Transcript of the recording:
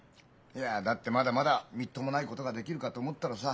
いやだってまだまだみっともないことができるかと思ったらさ